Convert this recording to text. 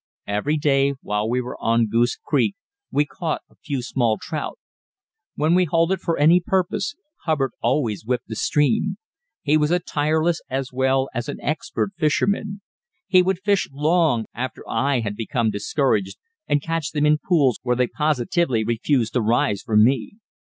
Every day while we were on Goose Creek we caught a few small trout. When we halted for any purpose, Hubbard always whipped the stream. He was a tireless as well as an expert fisherman. He would fish long after I had become discouraged, and catch them in pools where they positively refused to rise for me.